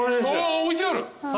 置いてある！